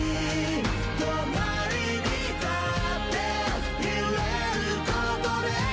「隣に立って居れることで」